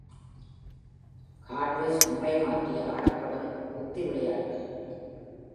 "Hard West", முறைமாற்றி ஆடப்படும் உத்தி விளையாட்டு.